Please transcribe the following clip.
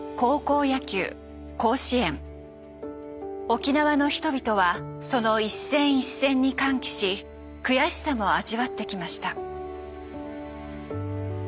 沖縄の人々はその一戦一戦に歓喜し悔しさも味わってきました。